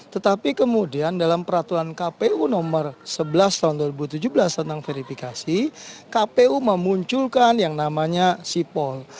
tetapi kemudian dalam peraturan kpu nomor sebelas tahun dua ribu tujuh belas tentang verifikasi kpu memunculkan yang namanya sipol